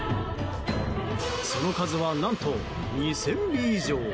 その数は何と２０００尾以上。